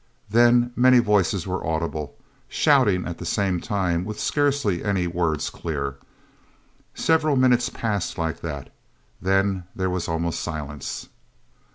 Then many voices were audible, shouting at the same time, with scarcely any words clear... Several minutes passed like that. Then there was almost silence.